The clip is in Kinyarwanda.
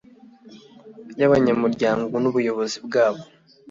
y abanyamuryango n ubuyobozi bwabo